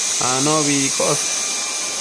anobi iccosh